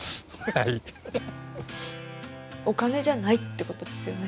はいお金じゃないってことですよね